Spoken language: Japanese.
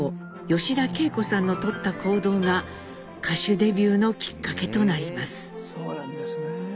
吉田惠子さんのとった行動が歌手デビューのきっかけとなります。